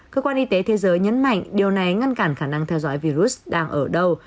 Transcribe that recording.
cơ quan y tế thế giới nhấn mạnh điều này ngăn cản khả năng theo dõi virus đang ở đâu